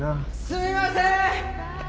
すいません！